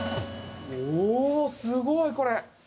◆おー、すごい、これ。